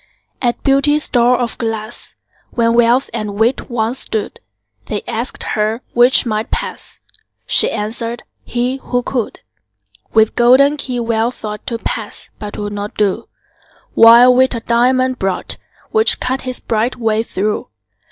At Beauty's door of glass, When Wealth and Wit once stood, They asked her 'which might pass?" She answered, "he, who could." With golden key Wealth thought To pass but 'twould not do: While Wit a diamond brought, Which cut his bright way through.